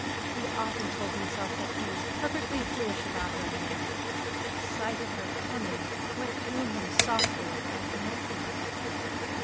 He often told himself that he "was perfectly foolish about her hair." The sight of her, coming, went through him softly, like the morphia.